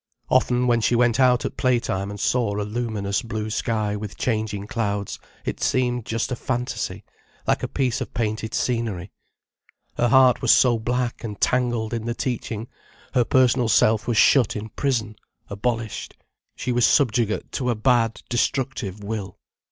Often when she went out at playtime and saw a luminous blue sky with changing clouds, it seemed just a fantasy, like a piece of painted scenery. Her heart was so black and tangled in the teaching, her personal self was shut in prison, abolished, she was subjugate to a bad, destructive will.